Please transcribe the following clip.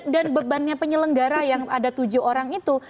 dan bebannya penyelenggara yang ada tujuh orang itu